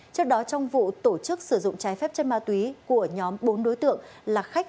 trước đó trong vụ tổ chức sử dụng trái phép chất ma túy của nhóm bốn đối tượng là khách